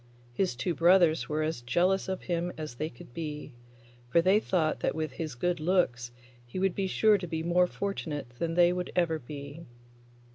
His two brothers were as jealous of him as they could be, for they thought that with his good looks he would be sure to be more fortunate than they would ever be.